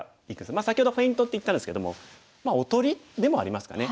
先ほどフェイントって言ったんですけどもまあおとりでもありますかね。